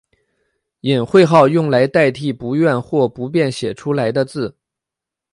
隐讳号用来代替不愿或不便写出来的字。